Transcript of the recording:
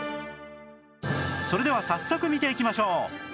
それでは早速見ていきましょう